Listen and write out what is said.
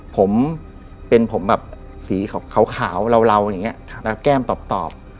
ผมเป็นผมแบบสีขาวราวแก้มตอบ